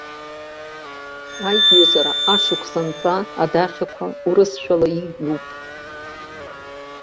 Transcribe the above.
Аиҩызара ашықәсанҵа адаҟьақәа урысшәала иҩуп.